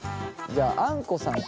じゃああんこさん。